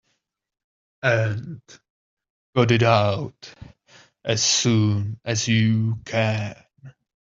And got it out as soon as you can.